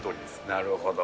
なるほど。